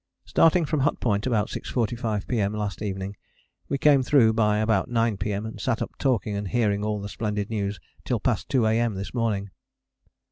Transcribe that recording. _ Starting from Hut Point about 6.45 P.M. last evening, we came through by about 9 P.M., and sat up talking and hearing all the splendid news till past 2 A.M. this morning.